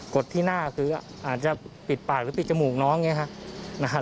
ดที่หน้าคืออาจจะปิดปากหรือปิดจมูกน้องอย่างนี้ครับ